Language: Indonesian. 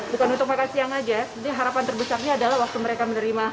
bukan untuk makan siang aja harapan terbesarnya adalah waktu mereka menerima